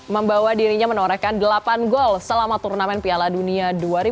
membawa dirinya menorehkan delapan gol selama turnamen piala dunia dua ribu dua puluh